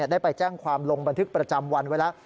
ได้ไปแจ้งความลงบันทึกประจำวันไว้แล้ว